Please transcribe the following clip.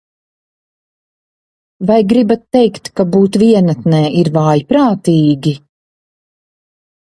Vai gribat teikt, ka būt vienatnē ir vājprātīgi?